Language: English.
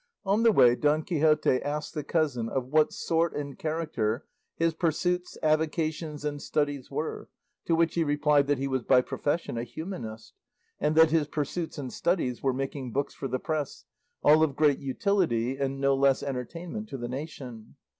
On the way Don Quixote asked the cousin of what sort and character his pursuits, avocations, and studies were, to which he replied that he was by profession a humanist, and that his pursuits and studies were making books for the press, all of great utility and no less entertainment to the nation.